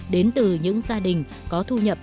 đến từ những gia đình có thu nhập